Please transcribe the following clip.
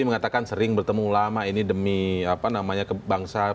mengatakan sering bertemu ulama ini demi bangsa